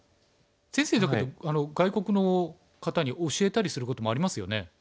先生だけど外国の方に教えたりすることもありますよね？